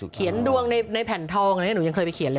เขียนดวงในแผ่นทองนี่หนูยังเคยไปเขียนเลย